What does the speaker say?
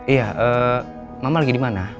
iya mama lagi dimana